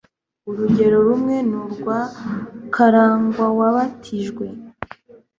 urugero rumwe ni urwa karangwawabatijwe